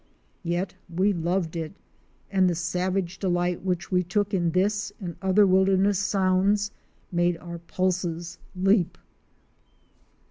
Yet we loved it, and the savage delight which we took in this and other wilderness sounds made our pulses leap.